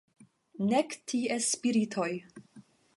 Nek ties spiritoj.